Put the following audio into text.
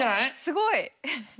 すごい。